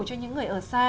cho những người ở xa